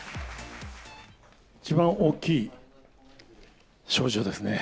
一番大きい賞状ですね。